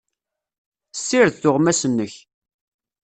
Ssired tuɣmas-nnek.